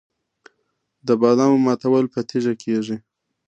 د بادامو ماتول په تیږه کیږي.